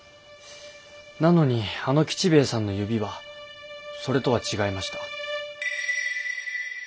なのにあの吉兵衛さんの指はそれとは違いました。